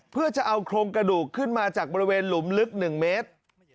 เพื่อจะเอาโครงกระดูกขึ้นมาจากบริเวณหลุมลึก๑เมตร